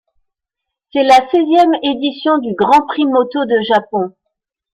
C'est la seizième édition du Grand Prix moto du Japon.